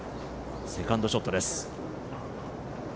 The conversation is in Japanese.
セカンドショットです。